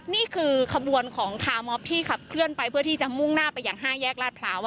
นี่คือขบวนของคาร์มอบที่ขับเคลื่อนไปเพื่อที่จะมุ่งหน้าไปอย่าง๕แยกลาดพร้าว